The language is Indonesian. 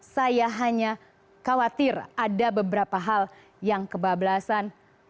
saya hanya khawatir ada beberapa hal yang kebablasan